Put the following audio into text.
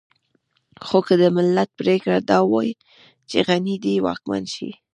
خو که د ملت پرېکړه دا وي چې غني دې واکمن شي.